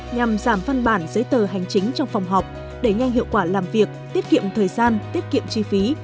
nhằm giảm văn bản giấy tờ hành chính trong phòng họp đẩy nhanh hiệu quả làm việc tiết kiệm thời gian tiết kiệm chi phí